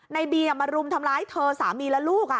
ในบีมารุมทำร้ายเธอสามีและลูก